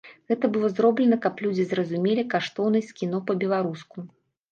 Гэта было зроблена, каб людзі зразумелі каштоўнасць кіно па-беларуску.